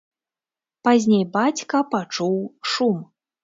Пазней бацька пачуў шум.